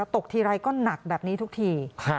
ตกทีไรก็หนักแบบนี้ทุกที